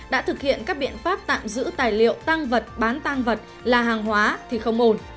đã thực hiện các biện pháp tạm giữ tài liệu tăng vật bán tăng vật là hàng hóa thì không ổn